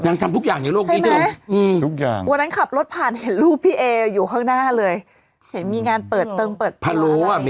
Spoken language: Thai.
ใครจ๊ะบ้านนางนางทำพัลโล้มาให้กินวันเวลา